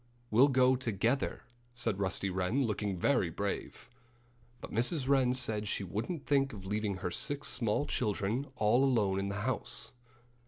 "We'll go together," said Rusty Wren, looking very brave. But Mrs. Wren said she wouldn't think of leaving her six small children all alone in the house.